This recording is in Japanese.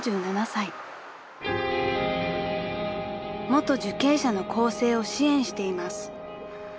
［元受刑者の更生を支援しています］